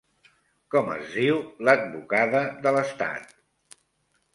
Com es diu l'advocada de l'estat?